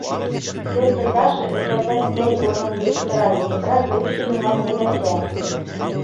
Тетя Даша өҫтәлдән сәй урынын йыйыштыра-йыйыштыра Гриша менән һөйләшә: